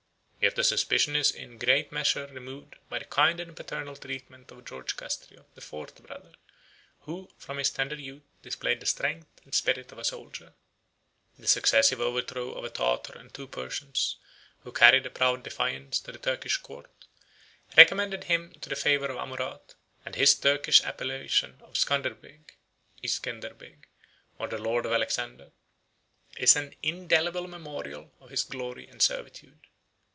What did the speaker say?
Yet the suspicion is in a great measure removed by the kind and paternal treatment of George Castriot, the fourth brother, who, from his tender youth, displayed the strength and spirit of a soldier. The successive overthrow of a Tartar and two Persians, who carried a proud defiance to the Turkish court, recommended him to the favor of Amurath, and his Turkish appellation of Scanderbeg, (Iskender beg,) or the lord Alexander, is an indelible memorial of his glory and servitude.